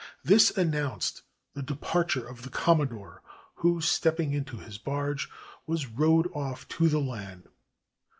This announced the departure of the Commodore, who, stepping into his barge, was rowed off to the land.